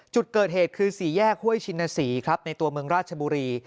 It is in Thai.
จุดเกิดเหตุคือสี่แยกห้วยชินศรีครับในตัวเมืองราชบุรี